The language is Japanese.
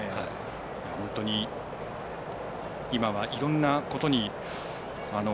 本当に今はいろんなことに。